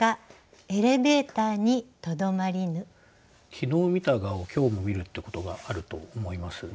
昨日見た蛾を今日も見るってことがあると思います。